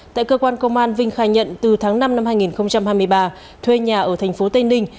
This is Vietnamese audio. tại cơ quan công an vinh khai nhận từ tháng năm năm hai nghìn hai mươi ba thuê nhà ở thành phố tây ninh